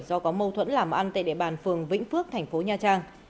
do có mâu thuẫn làm ăn tại địa bàn phường vĩnh phước thành phố nha trang